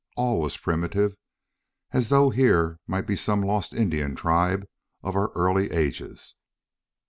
All was primitive, as though here might be some lost Indian tribe of our early ages.